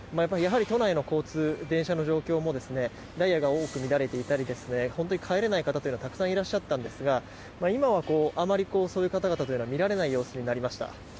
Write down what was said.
やはり都内の交通電車の状況もダイヤが多く乱れていたり帰れない方もいらっしゃったんですが今はあまりそういう方々は見られない様子になりました。